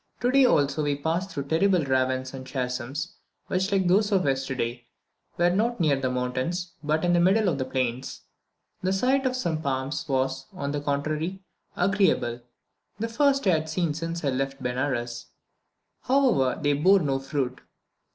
Today also we passed through terrible ravines and chasms, which like those of yesterday, were not near the mountains, but in the middle of the plains. The sight of some palms was, on the contrary, agreeable, the first I had seen since I left Benares; however, they bore no fruit.